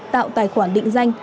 tạo tài khoản định danh